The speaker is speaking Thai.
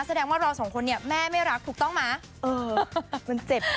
แสดงว่าเรา๒คุณเนี่ยแม่ไม่รักถูกต้องหรือ